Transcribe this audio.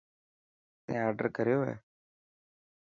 تين آڊر ڪريو هي.